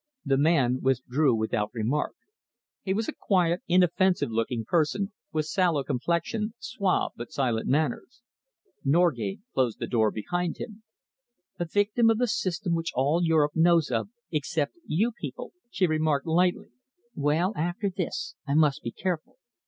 The man withdrew without remark. He was a quiet, inoffensive looking person, with sallow complexion, suave but silent manners. Norgate closed the door behind him. "A victim of the system which all Europe knows of except you people," she remarked lightly. "Well, after this I must be careful.